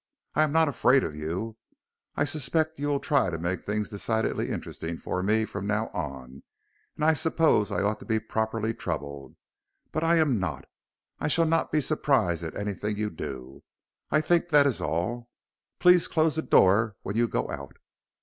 I am not afraid of you. I suspect that you will try to make things decidedly interesting for me from now on and I suppose I ought to be properly troubled. But I am not. I shall not be surprised at anything you do. I think that is all. Please close the door when you go out."